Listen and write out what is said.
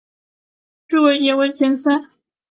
趣味野外竞赛。